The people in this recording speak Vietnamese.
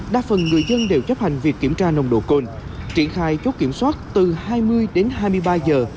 đa phần người dân đều chấp hành việc kiểm tra nồng độ cồn triển khai chốt kiểm soát từ hai mươi đến hai mươi ba giờ